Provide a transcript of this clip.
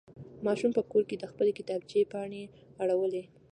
ماشوم په کور کې د خپلې کتابچې پاڼې اړولې.